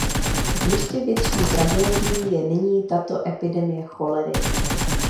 Ještě větší tragédií je nyní tato epidemie cholery.